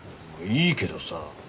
いいけどさ。